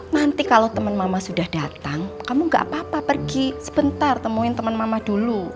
nanti kalau teman mama sudah datang kamu gak apa apa pergi sebentar temuin teman mama dulu